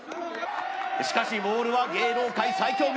しかしボールは芸能界最強軍